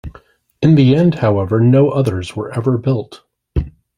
In the end, however, no others were ever built.